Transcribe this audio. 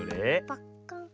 パッカーン。